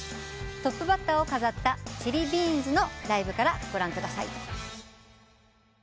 トップバッターを飾ったＣｈｉｌｌｉＢｅａｎｓ．のライブからご覧ください。